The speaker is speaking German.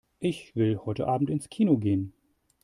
Ich will heute Abend ins Kino gehen.